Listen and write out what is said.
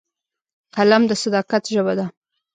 قلم د صداقت ژبه ده